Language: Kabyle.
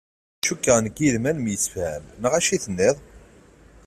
Cukkeɣ nekk yid-m ad nemsefham, neɣ acu tenniḍ?